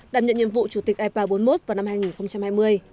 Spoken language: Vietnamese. đảm nhận nhiệm vụ chủ tịch ipa bốn mươi một vào năm hai nghìn hai mươi